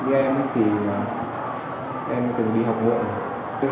vì em thì em từng đi học muộn